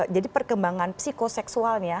jadi perkembangan psikoseksualnya